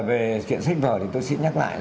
về chuyện sách vở thì tôi sẽ nhắc lại